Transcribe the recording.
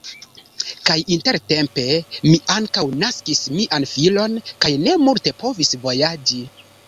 Kaj intertempe mi ankaŭ naskis mian filon kaj ne multe povis vojaĝi.